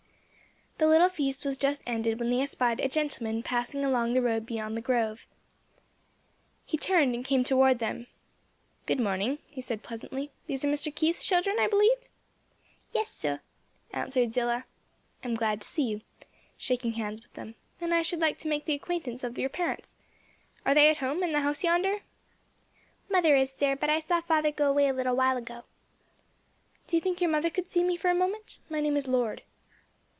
The little feast was just ended when they espied a gentleman passing along the road beyond the grove. He turned and came toward them. "Good morning," he said, pleasantly. "These are Mr. Keith's children, I believe?" "Yes, sir," answered Zillah. "I'm glad to see you," shaking hands with them; "and I should like to make the acquaintance of your parents. Are they at home, in the house yonder?" "Mother is, sir; but I saw father go away a little while ago." "Do you think your mother could see me for a moment? My name is Lord."